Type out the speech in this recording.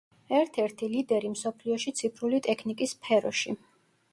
ერთ-ერთი ლიდერი მსოფლიოში ციფრული ტექნიკის სფეროში.